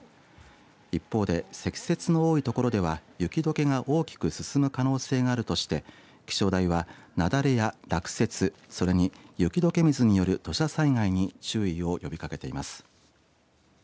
一方で積雪の多い所では雪どけが大きく進む可能性があるとして気象台は雪崩や落雪それに雪どけ水による土砂災害に注意を呼びかけています。